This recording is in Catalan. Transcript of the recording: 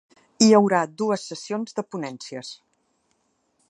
Hi haurà dues sessions de ponències.